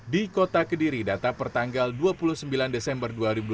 di kota kediri data pertanggal dua puluh sembilan desember dua ribu dua puluh